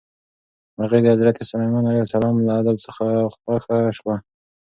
مرغۍ د حضرت سلیمان علیه السلام له عدل څخه خوښه شوه.